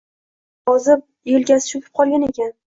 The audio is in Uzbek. Ikki kun ichida ozib, elkasi cho`kib qolgan ekan